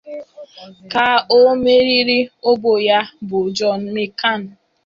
ka o meriri ogbo ya bụ John McCain